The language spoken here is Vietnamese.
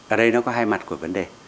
ở đây nó có hai mặt của vấn đề